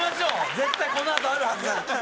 絶対この後あるはずだから。